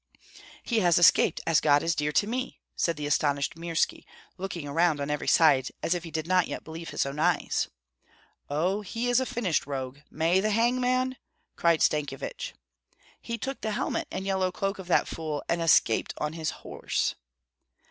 "He has escaped, as God is dear to me!" said the astonished Mirski, looking around on every side, as if he did not yet believe his own eyes. "Oh, he is a finished rogue! May the hangman " cried Stankyevich. "He took the helmet and yellow cloak of that fool, and escaped on his horse."